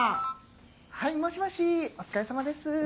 はいもしもしお疲れさまです。